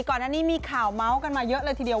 ก่อนอันนี้มีข่าวเมาส์กันมาเยอะเลยทีเดียว